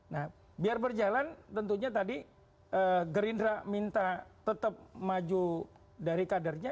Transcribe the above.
nah biar berjalan tentunya tadi gerindra minta tetap maju dari kadernya